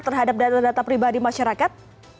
terhadap data data pribadi masyarakat